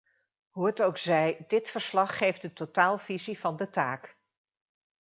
Hoe het ook zij, dit verslag geeft een totaalvisie van de taak.